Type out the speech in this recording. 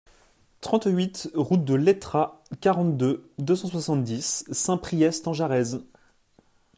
trente-huit route de L'Etrat, quarante-deux, deux cent soixante-dix, Saint-Priest-en-Jarez